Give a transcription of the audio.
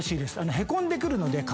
へこんでくるので顔が。